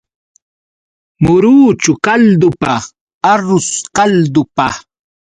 Muruchu kaldupa, arrus kaldupa.